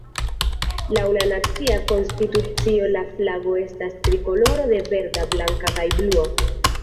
Laŭ la nacia konstitucio, la flago estas trikoloro de verda, blanka kaj blua.